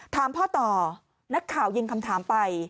ถามพ่อต่อนักข่าวยิงคำถามไป